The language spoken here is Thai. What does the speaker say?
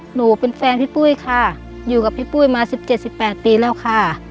หนูเป็นแฟนพี่ปุ้ยค่ะอยู่กับพี่ปุ้ยมา๑๗๑๘ปีแล้วค่ะ